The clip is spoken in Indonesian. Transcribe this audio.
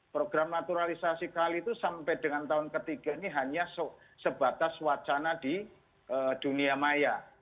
program naturalisasi kali itu sampai dengan tahun ketiga ini hanya sebatas wacana di dunia maya